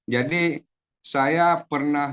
jadi saya pernah